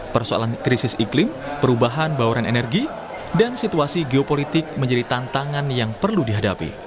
persoalan krisis iklim perubahan bauran energi dan situasi geopolitik menjadi tantangan yang perlu dihadapi